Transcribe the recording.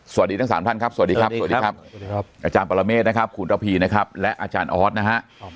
สวัสดีทั้งสามท่านครับสวัสดีครับอาจารย์ปรเมฆนะครับคุณระพีนะครับและอาจารย์ออสนะฮะ